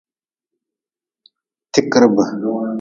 Tikrib.